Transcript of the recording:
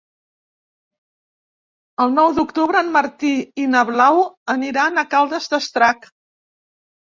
El nou d'octubre en Martí i na Blau aniran a Caldes d'Estrac.